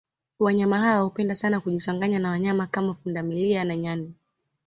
Wanyama hawa hupenda sana kujichanganya na wanyama kama pundamlia na nyani